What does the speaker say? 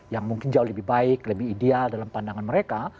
yang mungkin jauh lebih baik lebih ideal dalam pandangan mereka